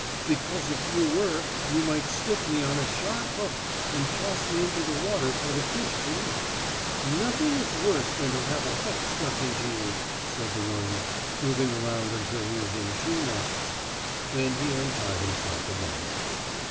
"Because if you were you might stick me on a sharp hook and toss me into the water for the fish to eat. Nothing is worse than to have a hook stuck into you," said the worm, moving around until he was in two knots. Then he untied himself again.